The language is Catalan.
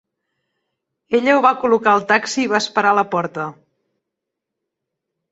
Ella ho va col·locar al taxi i va esperar a la porta.